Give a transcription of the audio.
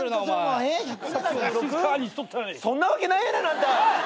そんなわけないやないのあんた！